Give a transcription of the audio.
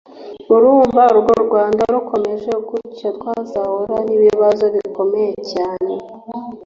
urumva urwo Rwanda rukomeje gutyo twazahura n’ibibazo bikomeye cyane